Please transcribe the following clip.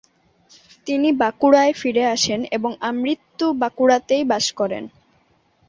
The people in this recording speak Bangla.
তিনি বাঁকুড়ায় ফিরে আসেন এবং আমৃত্যু বাঁকুড়াতেই বাস করেন।